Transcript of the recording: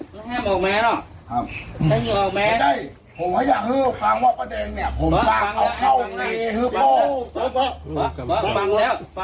ห้งน้ำ